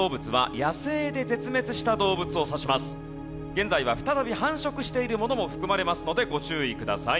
現在は再び繁殖しているものも含まれますのでご注意ください。